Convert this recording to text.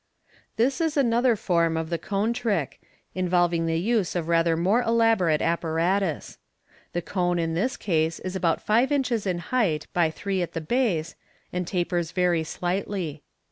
— This is another form of the coa© MODERN MAGIC. 365 Fig. 197. trick, involving the use of rather more elaborate apparatus. The cone in this case is about rive inches in height by three at the base, and tapers very slightly.